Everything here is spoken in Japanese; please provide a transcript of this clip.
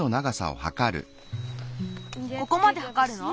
ここまではかるの？